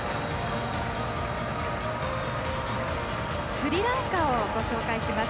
スリランカをご紹介します。